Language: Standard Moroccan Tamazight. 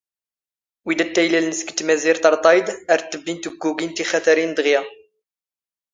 ⵡⵉ ⴷⴰ ⵜⵜⴰⵢⵍⴰⵍⵏ ⵙⴳ ⵜⵎⴰⵣⵉⵔⵜ ⴰⵔ ⵜⴰⵢⴹ ⴰⵔ ⵜⵜⴱⴱⵉⵏ ⵜⵓⴳⴳⵓⴳⵉⵏ ⵜⵉⵅⴰⵜⴰⵔⵉⵏ ⴷⵖⵢⴰ.